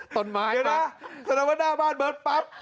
ต้นไม้ป๊าบ๊าบ๊าบ